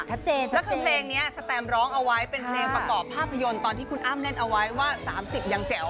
แล้วคือเพลงนี้สแตมร้องเอาไว้เป็นเพลงประกอบภาพยนตร์ตอนที่คุณอ้ำเล่นเอาไว้ว่า๓๐ยังแจ๋ว